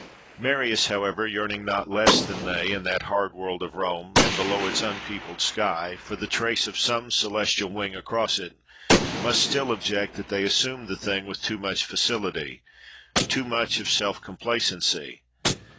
Marius, however, yearning not less than they, in that hard world of Rome, and below its unpeopled sky, for the trace of some celestial wing across it, must still object that they assumed the thing with too much facility, too much of self complacency.